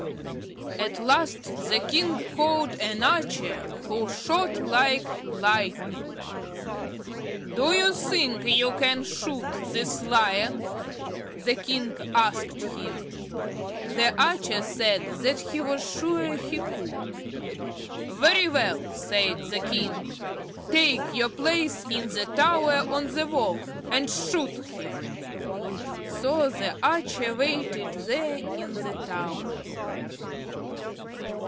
At last the king called an archer, who shot like lightning. "Do you think you can shoot this Lion?" the king asked him. The archer said that he was sure he could. "Very well," said the king, "take your place in the tower on the wall, and shoot him." So the archer waited there in the tower.